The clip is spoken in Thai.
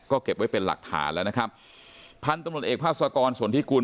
ก็เก็บไว้เป็นหลักฐานแล้วนะครับพันธุ์ตำรวจเอกภาษากรสนทิกุล